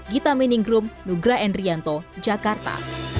gita meninggrum nugra endrianto jakarta